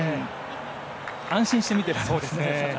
安心して見ていられますね。